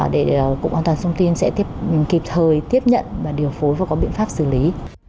để cục an toàn thông tin sẽ kịp thời tiếp nhận và điều phối và có biện pháp xử lý